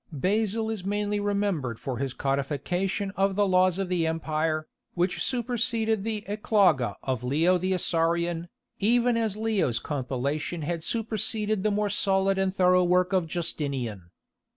Basil is mainly remembered for his codification of the laws of the empire, which superseded the Ecloga of Leo the Isaurian, even as Leo's compilation had superseded the more solid and thorough work of Justinian.